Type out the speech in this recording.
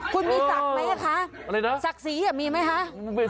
คุณมีศักดิ์ไหมคะศักดิ์ศรีมีไหมคะ